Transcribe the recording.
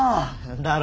だろ？